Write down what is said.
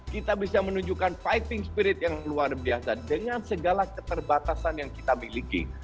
kita bisa menunjukkan fighting spirit yang luar biasa dengan segala keterbatasan yang kita miliki